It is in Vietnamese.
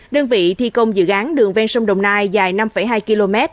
đơn vị thi công dự án đường ven sông đồng nai dài năm hai km